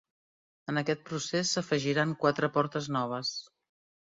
En aquest procés s'afegiran quatre portes noves.